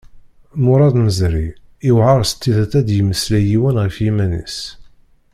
Muṛad Meẓri: Iwεer s tidet ad d-yemmeslay yiwen ɣef yiman-is.